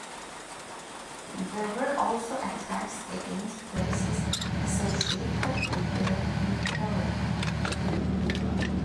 There were also attacks against places associated with the emperor.